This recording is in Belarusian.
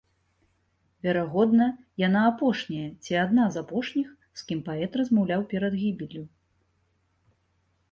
Верагодна, яна апошняя ці адна з апошніх, з кім паэт размаўляў перад гібеллю.